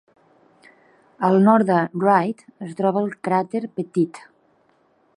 Al nord de Wright es troba el crater Pettit.